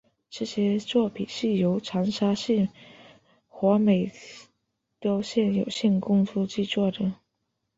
这些作品是由长沙市华美雕塑有限公司制作的。